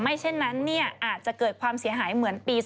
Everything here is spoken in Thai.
เช่นนั้นอาจจะเกิดความเสียหายเหมือนปี๒๕